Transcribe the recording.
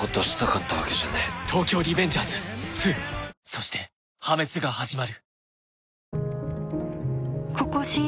［そして破滅が始まる］